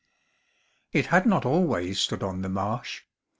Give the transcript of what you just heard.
It had not always stood on the marsh.